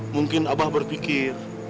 mungkin abah berfikir